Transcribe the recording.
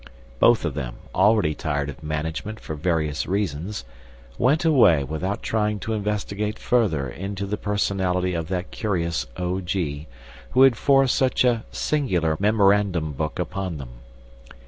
Both of them, already tired of management for various reasons, went away without trying to investigate further into the personality of that curious O. G., who had forced such a singular memorandum book upon them.